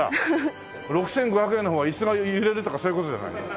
６５００円の方は椅子が揺れるとかそういう事じゃない？